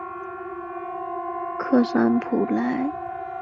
维克埃克桑普莱。